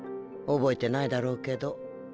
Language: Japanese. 覚えてないだろうけど。